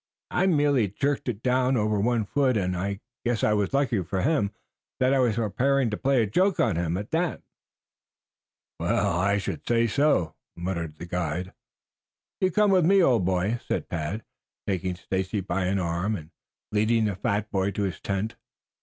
I merely jerked it down over one foot, and I guess it was lucky for him that I was preparing to play a joke on him, at that." "I should say it was," muttered the guide. "You come with me, old boy," said Tad, taking Stacy by an arm and leading the fat boy to his tent.